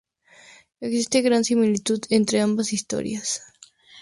Existe gran similitud entre ambas historias.